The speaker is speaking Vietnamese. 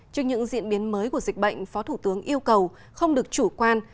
trước những diễn biến mới của dịch bệnh phó thủ tướng yêu cầu không được chủ quan